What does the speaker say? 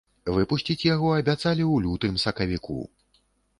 Выпусціць яго абяцалі ў лютым-сакавіку.